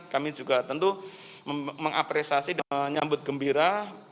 kami juga tentu mengapresiasi dan menyambut gembira